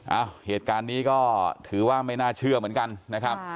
เอ้าเหตุการณ์นี้ก็ถือว่าไม่น่าเชื่อเหมือนกันนะครับ